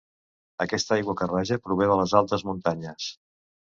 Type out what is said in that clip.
Aquesta aigua que raja prové de les altes muntanyes.